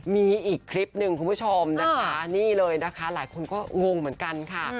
มีอีกคลิปหนึ่งคุณผู้ชมนะคะนี่เลยนะคะหลายคนก็งงเหมือนกันค่ะ